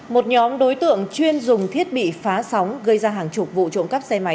một nhóm đối tượng chuyên dùng thiết bị phá sóng gây ra hàng chục vụ trộm cắp xe máy